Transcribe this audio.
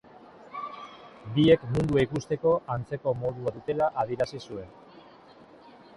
Biek mundua ikusteko antzeko modua dutela adierazi zuen